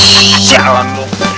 ih si alat lo